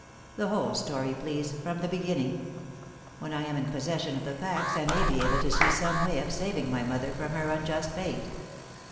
The whole story, please, from the beginning. When I am in possession of the facts I may be able to see some way of saving my mother from her unjust fate."